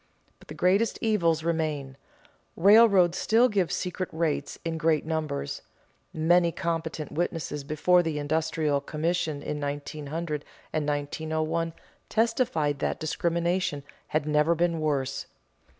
But the greatest evils remain. Railroads still give secret rates in great numbers; many competent witnesses before the Industrial Commission in 1900 and 1901 testified that discrimination had never been worse.